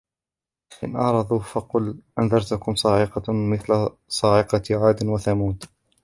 فإن أعرضوا فقل أنذرتكم صاعقة مثل صاعقة عاد وثمود